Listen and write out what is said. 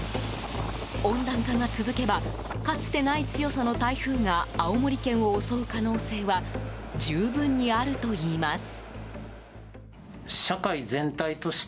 温暖化が続けばかつてない強さの台風が青森県を襲う可能性は十分にあるといいます。